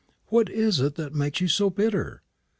What is it that makes you so bitter?